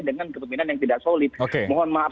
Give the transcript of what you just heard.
dengan kepemimpinan yang tidak solid mohon maaf